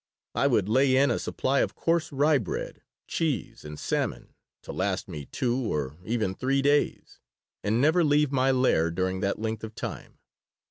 I would lay in a supply of coarse rye bread, cheese, and salmon to last me two or even three days, and never leave my lair during that length of time.